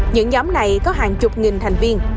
những nhóm này có hàng chục nghìn thành viên